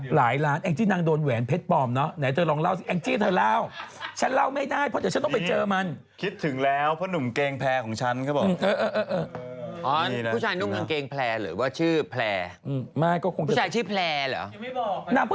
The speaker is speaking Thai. หลายล้านอยู่